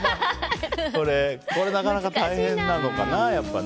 なかなか大変なのかな。